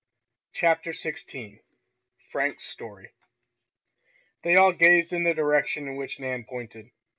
CHAPTER XVI FRANK'S STORY They all gazed in the direction in which Nan pointed.